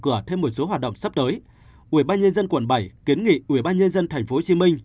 cửa thêm một số hoạt động sắp tới ubnd quận bảy kiến nghị ubnd tp hcm